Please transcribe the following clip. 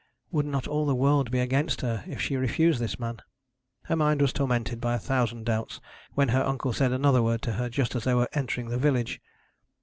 Would not all the world be against her if she refused this man? Her mind was tormented by a thousand doubts, when her uncle said another word to her, just as they were entering the village.